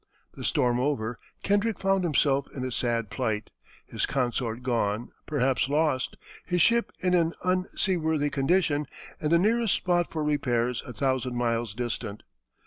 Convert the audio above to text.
The storm over, Kendrick found himself in a sad plight, his consort gone, perhaps lost, his ship in an unseaworthy condition, and the nearest spot for repairs a thousand miles distant.